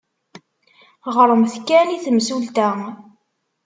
Ɣremt kan i temsulta.